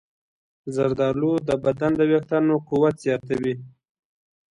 زردالو د بدن د ویښتانو قوت زیاتوي.